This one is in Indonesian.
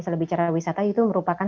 selebihan cara wisata itu merupakan